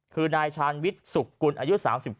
คือนายชาญวิทย์สุขกุลอายุ๓๙